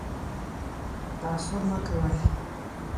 تعصب مه کوئ